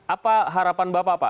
apa harapan bapak pak